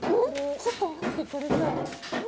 ちょっと待ってこれさ。